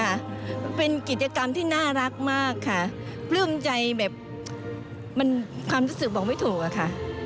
มันเป็นกิจกรรมที่น่ารักมากค่ะปลื้มใจแบบมันความรู้สึกบอกไม่ถูกอะค่ะ